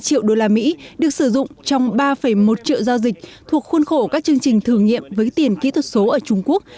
điều này được sử dụng trong ba một triệu giao dịch thuộc khuôn khổ các chương trình thử nghiệm với tiền kỹ thuật số ở trung quốc